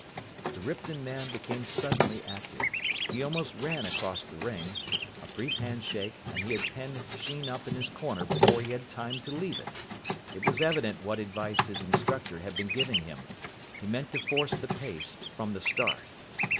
The Ripton man became suddenly active. He almost ran across the ring. A brief handshake, and he had penned Sheen up in his corner before he had time to leave it. It was evident what advice his instructor had been giving him. He meant to force the pace from the start.